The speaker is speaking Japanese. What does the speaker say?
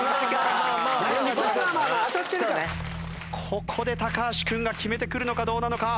ここで橋君が決めてくるのかどうなのか。